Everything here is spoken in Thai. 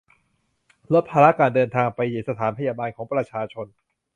ลดภาระการเดินทาง ไปสถานพยาบาลของประชาชน